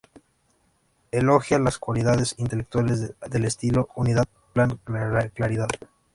Elogia las cualidades intelectuales del estilo: unidad, plan, claridad.